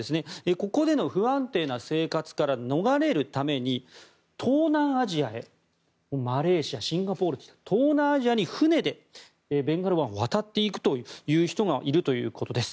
ここでの不安定な生活から逃れるために東南アジアへマレーシア、シンガポールと船でベンガル湾を渡っていくという人がいるということです。